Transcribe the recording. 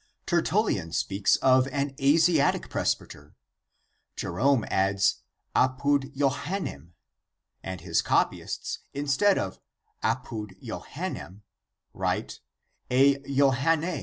Tertullian speaks of an Asiatic presbyter, Jerome adds apud Johannem, and his copyists instead of "apud Johannem," write "a Johanne."